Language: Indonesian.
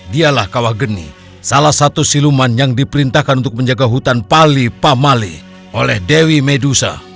dialah kawah geni salah satu siluman yang diperintahkan untuk menjaga hutan pali pamali oleh dewi medusa